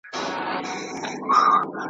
هفتې وورسته خپل نصیب ته ورتسلیم سو `